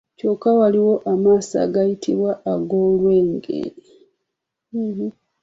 Kyokka waliwo amaaso agayitibwa ag’olwenge.